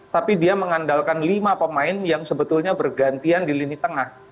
tapi dia mengandalkan lima pemain yang sebetulnya bergantian di lini tengah